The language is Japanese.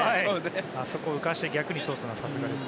あそこ、浮かせて逆に通すのはさすがです。